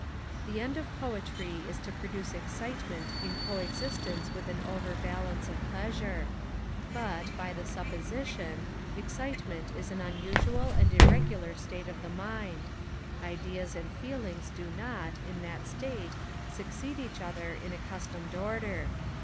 The end of Poetry is to produce excitement in co existence with an overbalance of pleasure; but, by the supposition, excitement is an unusual and irregular state of the mind; ideas and feelings do not, in that state, succeed each other in accustomed order.